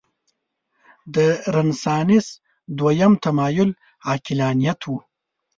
د رنسانس دویم تمایل عقلانیت و.